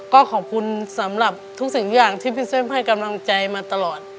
ก็ขอบคุณสำหรับทุกสิ่งอย่างที่พี่เส้นให้กำลังใจมาตลอด